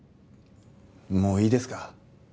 もういいですか？